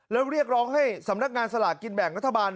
แล้วเรียกร้องให้สำนักงานสลากกินแบ่งรัฐบาล